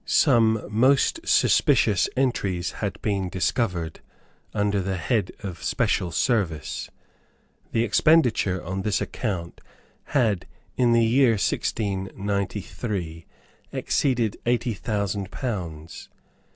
Some most suspicious entries had been discovered, under the head of special service. The expenditure on this account had, in the year 1693, exceeded eighty thousand pounds.